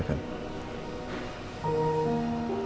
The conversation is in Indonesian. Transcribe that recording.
tentang semua kebohongan gue